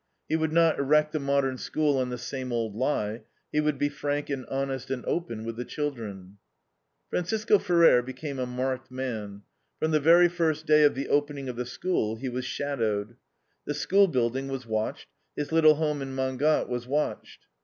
He would not erect the Modern School on the same old lie. He would be frank and honest and open with the children. Francisco Ferrer became a marked man. From the very first day of the opening of the School, he was shadowed. The school building was watched, his little home in Mangat was watched.